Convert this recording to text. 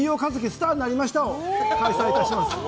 スターに成りました」を開催いたします。